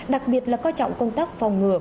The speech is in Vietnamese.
đặc biệt là coi trọng công tác phòng ngừa